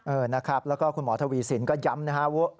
เออนะครับแล้วก็คุณหมอทวีสินก็ย้ำนะฮะว่า